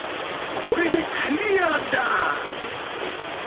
これでクリアだ！